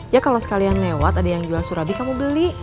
ya kalau sekalian lewat ada yang jual surabi kamu beli